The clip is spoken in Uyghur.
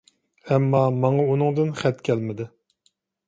ئەمما، ماڭا ئۇنىڭدىن خەت كەلمىدى.